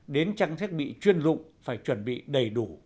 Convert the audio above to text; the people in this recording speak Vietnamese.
đến trang thiết bị chuyên dụng phải chuẩn bị đầy đủ